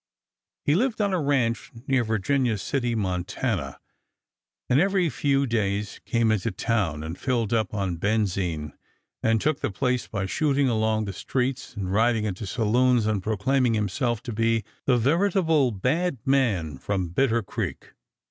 He lived on a ranch near Virginia City, Mont., and every few days came into town and filled up on "benzine," and took the place by shooting along the streets and riding into saloons and proclaiming himself to be the veritable "bad man from Bitter Creek."